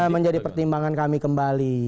menjadi pertimbangan kami kembali